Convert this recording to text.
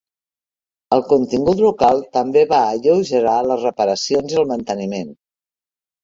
El contingut local també va alleugerar les reparacions i el manteniment.